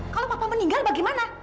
kalau papa meninggal bagaimana